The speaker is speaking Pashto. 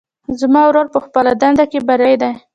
زما ورور په خپله دنده کې بریالۍ ده